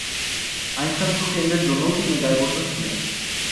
আইনশাস্ত্র কেন্দ্রের জন্যও তিনি দায়বদ্ধ ছিলেন।